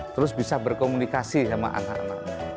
terus bisa berkomunikasi sama anak anak